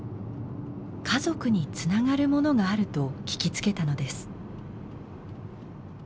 家族につながるものがあると聞きつけたのです。